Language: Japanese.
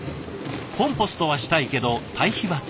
コンポストはしたいけど堆肥は使わない。